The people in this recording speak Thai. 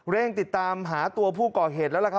เร่งติดตามหาตัวผู้ก่อเหตุแล้วล่ะครับ